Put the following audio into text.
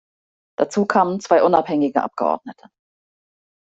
Dazu kamen zwei unabhängige Abgeordnete.